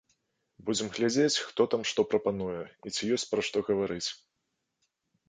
Будзем глядзець, хто там што прапануе, і ці ёсць пра што гаварыць.